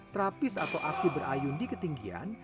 terapis atau aksi berayun di ketinggian